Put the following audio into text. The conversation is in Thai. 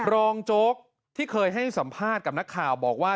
โจ๊กที่เคยให้สัมภาษณ์กับนักข่าวบอกว่า